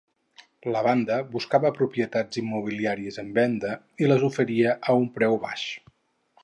La banda buscava propietats immobiliàries en venda i les oferia a un preu baix.